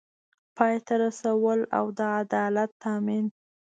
پای ته رسول او د عدالت تامین